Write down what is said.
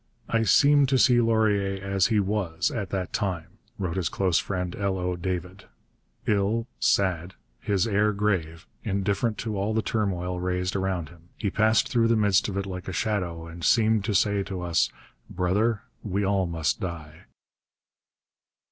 'I seem to see Laurier as he was at that time,' wrote his close friend, L. O. David, 'ill, sad, his air grave, indifferent to all the turmoil raised around him; he passed through the midst of it like a shadow and seemed to say to us, "Brother, we all must die."'